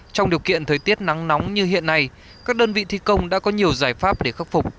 trong điều kiện thời tiết nắng nóng như hiện nay các đơn vị thi công đã có nhiều giải pháp để khắc phục